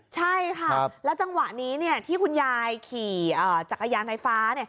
ใช่ค่ะแล้วจังหวะนี้ที่คุณยายขี่จักรยานไฟฟ้า